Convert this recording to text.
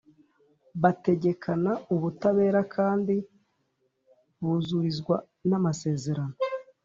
bategekana ubutabera kandi buzurizwa n’amasezerano